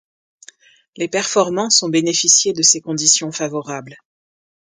Les performances ont bénéficié de ces conditions favorables.